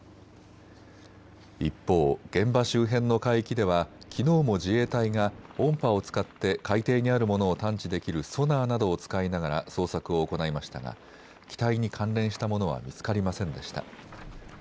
一方、現場周辺の海域ではきのうも自衛隊が音波を使って海底にあるものを探知できるソナーなどを使いながら捜索を行いましたが機体に関連したものは見つかりませんでした。